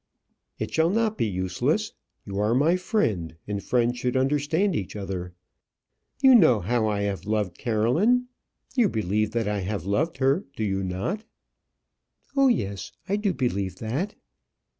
"It shall not be useless. You are my friend, and friends should understand each other. You know how I have loved Caroline. You believe that I have loved her, do you not?" "Oh, yes; I do believe that."